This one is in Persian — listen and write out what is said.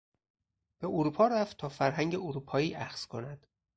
به اروپا رفت تا فرهنگ اروپایی اخذ کند.